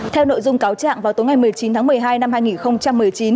theo nội dung cáo trạng vào tối ngày một mươi chín tháng một mươi hai năm hai nghìn một mươi chín